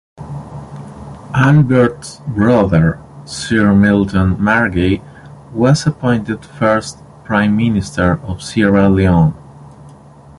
Albert's brother, Sir Milton Margai was appointed first Prime Minister of Sierra Leone.